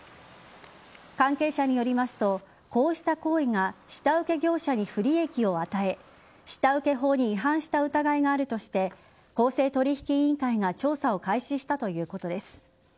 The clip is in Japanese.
関係者によりますとこうした行為が下請け業者に不利益を与えた下請け法に違反した疑いがあるとして公正取引委員会が調査を開始したということです。